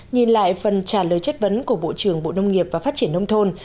nhìn lại phần trả lời chất vấn của bộ trưởng bộ nông nghiệp và phát triển nông thôn